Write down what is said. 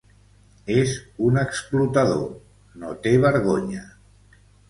És un explotador: no té vergonya.